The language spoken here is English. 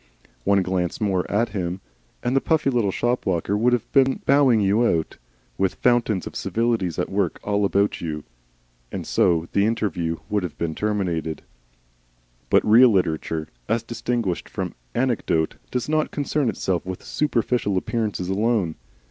One glance more at him, and the puffy little shop walker would have been bowing you out, with fountains of civilities at work all about you. And so the interview would have terminated. But real literature, as distinguished from anecdote, does not concern itself with superficial appearances alone.